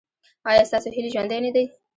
ایا ستاسو هیلې ژوندۍ نه دي؟